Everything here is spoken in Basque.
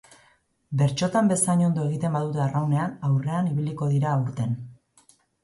Bertsotan bezain ondo egiten badute arraunean, aurrean ibiliko dira aurten.